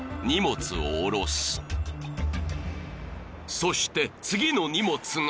［そして次の荷物が］